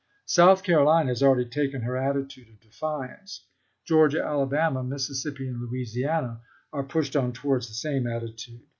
South Carolina has already taken her attitude of defi ance. Georgia, Alabama, Mississippi, and Louisiana are pushed on towards the same attitude.